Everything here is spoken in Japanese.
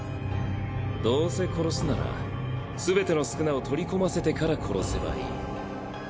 「どうせ殺すなら全ての宿儺を取り込ませてから殺せばいい」。